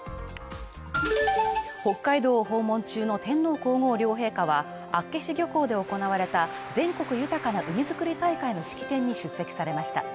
北海道を訪問中の天皇皇后両陛下は厚岸漁港で行われた全国豊かな海づくり大会の式典に出席されました。